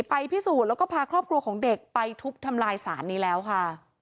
ไปพิสูจน์แล้วก็พาครอบครัวของเด็กไปทุบทำลายสารนี้แล้วค่ะ